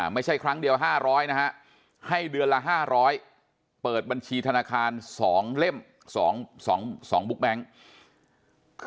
ไม่ใช่ครั้งเดียว๕๐๐นะฮะให้เดือนละ๕๐๐เปิดบัญชีธนาคาร๒เล่ม๒บุ๊กแบงค์